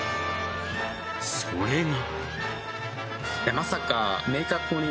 それが。